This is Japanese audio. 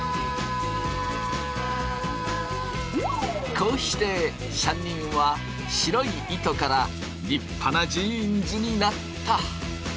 こうして３人は白い糸から立派なジーンズになった。